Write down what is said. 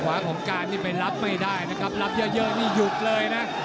ของการนี่ไปรับไม่ได้นะครับรับเยอะนี่หยุดเลยนะ